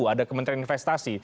ada kementerian investasi